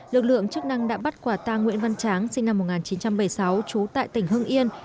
lực lượng chức năng đã bắt quả ta nguyễn văn tráng sinh năm một nghìn chín trăm bảy mươi sáu trú tại tỉnh hưng yên